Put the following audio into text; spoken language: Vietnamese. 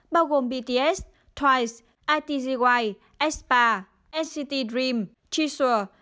bao gồm bts twice itzy aespa nct dream jisoo